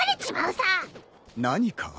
「何か」？